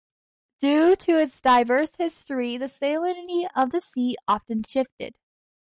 Due to its diverse history the salinity of the sea often shifted.